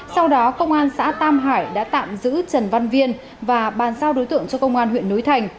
sau đó công an xã tam hải đã tạm giữ trần văn viên và bàn giao đối tượng cho công an huyện núi thành